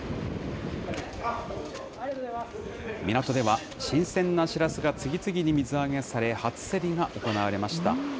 港では新鮮なシラスが次々に水揚げされ、初競りが行われました。